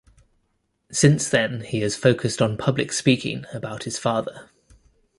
Since then he has focused on public speaking about his father.